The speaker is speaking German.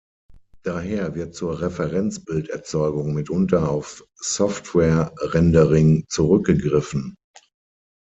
Daher wird zur Referenzbild-Erzeugung mitunter auf Software-Rendering zurückgegriffen.